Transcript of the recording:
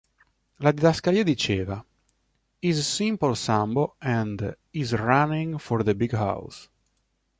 La didascalia diceva: "I's simple Sambo and I's running for the big house.